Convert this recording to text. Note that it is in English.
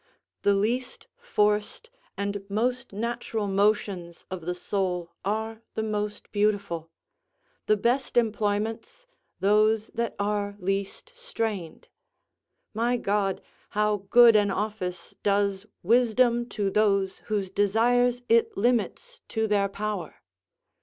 The least forced and most natural motions of the soul are the most beautiful; the best employments, those that are least strained. My God! how good an office does wisdom to those whose desires it limits to their power!